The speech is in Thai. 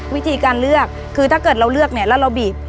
วิธีการเลือกคือถ้าเกิดเราเลือกเนี่ยแล้วเราบีบ